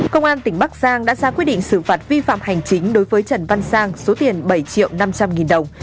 công an tỉnh bắc giang đã ra quyết định xử phạt vi phạm hành chính đối với trần văn sang số tiền bảy triệu năm trăm linh nghìn đồng